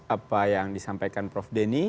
apa yang disampaikan prof denny